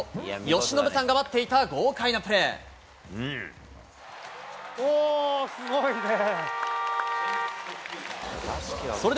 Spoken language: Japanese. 由伸さんが待っていた豪快なプレおー、すごいねえ。